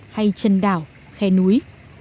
hay chân đảo khe núi